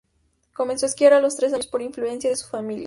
Comenzó a esquiar a los tres años por influencia de su familia.